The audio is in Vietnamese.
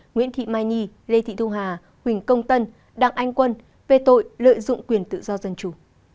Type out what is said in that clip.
nguyễn thị mai nhi lê thị thu hà huỳnh công tân đảng anh quân về tội lợi dụng quyền tự do dân chủ